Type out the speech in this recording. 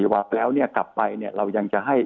๑๔วันแล้วกลับไปเรายังจะให้